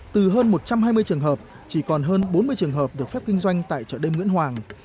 từ hơn một trăm hai mươi trường hợp chỉ còn hơn bốn mươi trường hợp được phép kinh doanh tại chợ đêm nguyễn hoàng